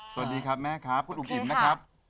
สวัสดีครับแม่ครับคุณอุ๋มอิ๋มนะครับ